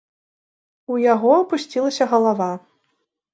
У яго апусцілася галава.